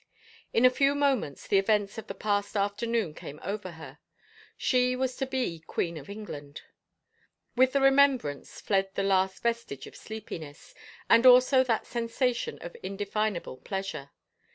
In a few moments the events of the past afternoon came over her. She was to be Queen of England !... With the remembrance fled the last vestige of sleepiness and also that sensation of indefinable pleasure.